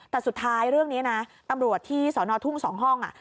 แต่สุดท้ายเรื่องนี้นะตำรวจที่สอนอทุ่ง๒ห้อง